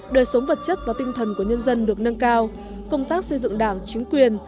đời sống vật chất và tinh thần của nhân dân được nâng cao công tác xây dựng đảng chính quyền